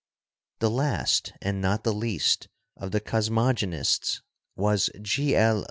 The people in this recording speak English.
The last and not the least of the cosmogonists was G. L.